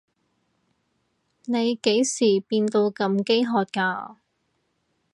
你幾時變到咁飢渴㗎？